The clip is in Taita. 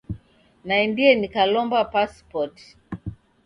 Naendie nikalomba pasipoti.